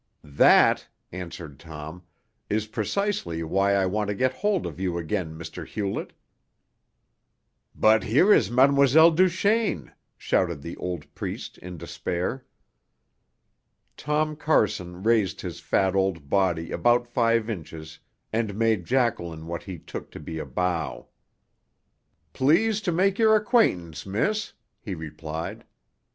"That," answered Tom, "is precisely why I want to get hold of you again, Mr. Hewlett." "But here is Mlle. Duchaine!" shouted the old priest in despair. Tom Carson raised his fat old body about five inches and made Jacqueline what he took to be a bow. "Pleased to make your acquaintance, miss," he replied.